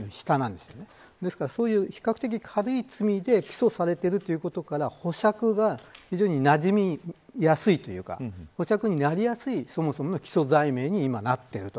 ですから、そういう比較的軽い罪で起訴されているということから保釈が非常になじみやすいというか保釈になりやすいそもそもの起訴罪名に今なっていると。